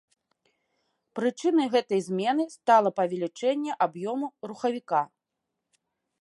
Прычынай гэтай змены стала павелічэнне аб'ёму рухавіка.